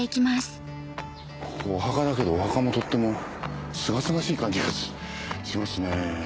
ここお墓だけどお墓もとってもすがすがしい感じがしますね。